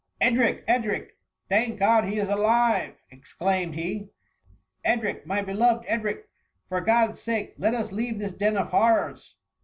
"Edric! Edric! thank God he is alive P' exclaimed he. ^* Edric ! my beloved Edric ! for God's sake, let us leave this den of horrors